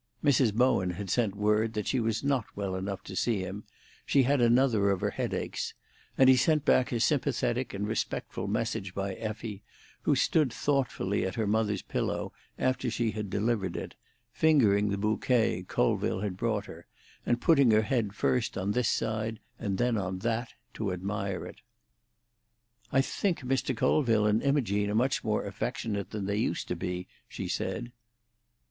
Mrs. Bowen had sent word that she was not well enough to see him; she had another of her headaches; and he sent back a sympathetic and respectful message by Effie, who stood thoughtfully at her mother's pillow after she had delivered it, fingering the bouquet Colville had brought her, and putting her head first on this side, and then on that to admire it. "I think Mr. Colville and Imogene are much more affectionate than they used to be," she said.